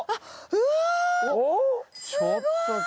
うわ。